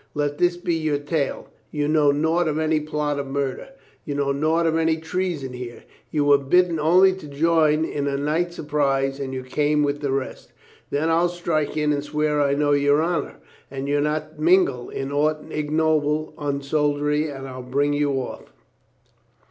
Let this be your tale: You know naught of any plot of murder. You know naught of any treason here. You were bidden only to join in a night surprise and you came with the rest. Then I'll strike in and swear I know your honor, and you'd not mingle in aught ignoble or unsoldierly, and I'll bring you off."